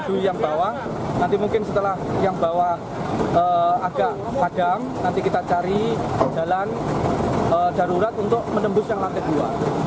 jadi yang bawah nanti mungkin setelah yang bawah agak padam nanti kita cari jalan darurat untuk menembus yang latih dua